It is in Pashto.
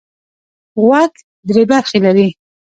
غوږ درې برخې لري.